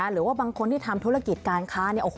หรือว่าบางคนที่ทำธุรกิจการค้า